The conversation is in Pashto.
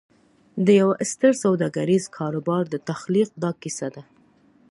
د یوه ستر سوداګریز کاروبار د تخلیق دا کیسه ده